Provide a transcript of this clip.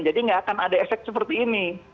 jadi tidak akan ada efek seperti ini